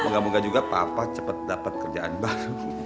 moga moga juga papa cepet dapet kerjaan baru